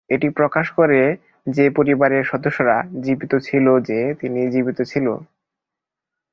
এটি প্রকাশ করে যে পরিবারের সদস্যরা জীবিত ছিল যে তিনি জীবিত ছিল।